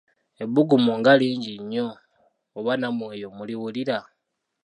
Ebbugumu nga lingi nnyo oba nammwe eyo muliwulira?